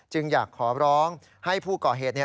จึงอยากขอร้องให้ผู้เกาะเหตุ